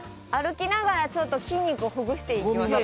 歩きながらちょっと筋肉をほぐして。